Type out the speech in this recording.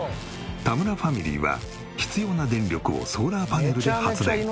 田村ファミリーは必要な電力をソーラーパネルで発電。